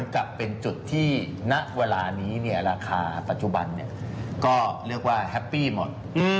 กลับเป็นจุดที่ณเวลานี้ราคาปัจจุบันก็เรียกว่าแฮปปี้หมด